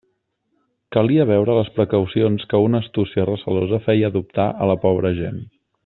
Calia veure les precaucions que una astúcia recelosa feia adoptar a la pobra gent.